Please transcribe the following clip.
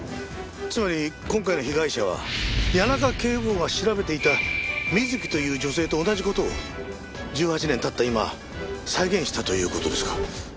つまり今回の被害者は谷中警部補が調べていたミズキという女性と同じ事を１８年経った今再現したという事ですか？